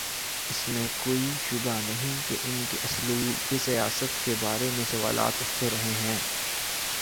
اس میں کوئی شبہ نہیں کہ ان کے اسلوب سیاست کے بارے میں سوالات اٹھتے رہے ہیں۔